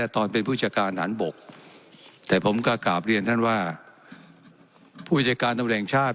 ตอนเป็นผู้จัดการฐานบกแต่ผมก็กราบเรียนท่านว่าผู้จัดการตำรวจแห่งชาติ